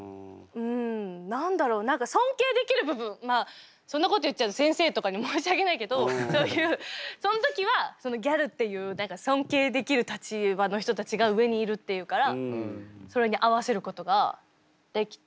何だろう何か尊敬できる部分まあそんなこと言っちゃうと先生とかに申し訳ないけどそういうそん時はギャルっていう何か尊敬できる立場の人たちが上にいるっていうからそれに合わせることができた。